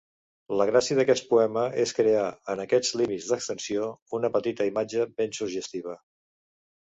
La gràcia d'aquest poema és crear, en aquest límit d'extensió, una petita imatge ben suggestiva.